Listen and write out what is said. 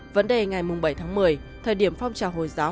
vấn đề ngày bảy tháng một mươi thời điểm phong trào hồi giáo